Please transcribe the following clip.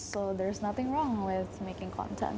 jadi tidak ada yang salah dengan membuat konten